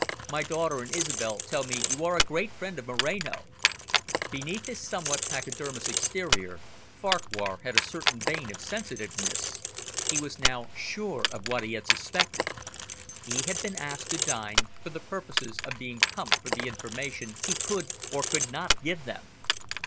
My daughter and Isobel tell me you are a great friend of Moreno." Beneath his somewhat pachydermatous exterior; Farquhar had a certain vein of sensitiveness. He was now sure of what he had suspected. He had been asked to dine for the purposes of being pumped for the information he could or could not give them.